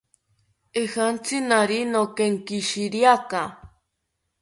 Ejatzi naari nokenkishiriaka